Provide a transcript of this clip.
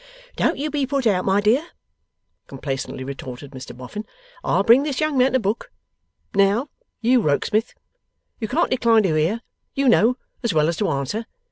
'Don't you be put out, my dear,' complacently retorted Mr Boffin. 'I'll bring this young man to book. Now, you Rokesmith! You can't decline to hear, you know, as well as to answer.